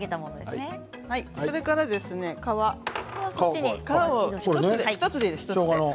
それから皮１つでいいです。